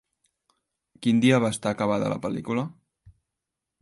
Quin dia va estar acabada la pel·lícula?